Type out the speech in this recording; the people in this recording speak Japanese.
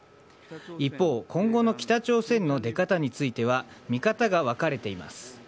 一方、今後の北朝鮮の出方については見方が分かれています。